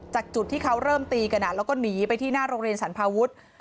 จุดที่เขาเริ่มตีกันแล้วก็หนีไปที่หน้าโรงเรียนสรรพาวุฒิ